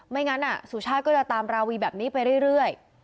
ไม่งั้นสุชาติก็จะตามราวีแบบนี้ไปเรื่อย